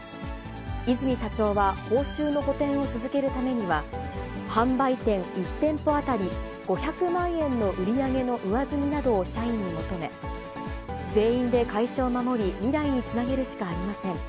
和泉社長は報酬の補填を続けるためには、販売店１店舗当たり５００万円の売り上げの上積みなどを社員に求め、全員で会社を守り、未来につなげるしかありません。